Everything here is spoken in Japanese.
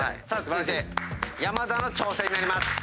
続いて山田の挑戦になります。